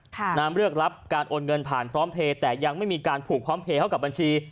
น้ำเลือกรับการโอนเงินผ่านพร้อมเพลย์แต่ยังไม่มีการผูกพร้อมเพลย์เข้ากับบัญชี